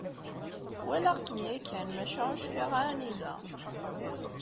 Walaɣ-kem yakan maca ur cfiɣ anida.